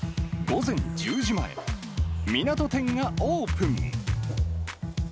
午前１０時前、みなと店がオープン。